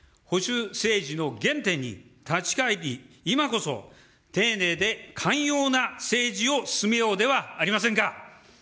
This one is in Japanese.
保守政治の原点に立ち返り、今こそ、丁寧で寛容な政治を進めようではありませんか。